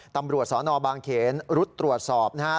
ตำรวจสนบางเขนรุดตรวจสอบนะฮะ